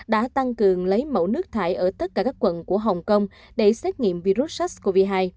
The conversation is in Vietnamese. đã tăng cường lấy mẫu nước thải ở tất cả các quận của hồng kông để xét nghiệm virus sars cov hai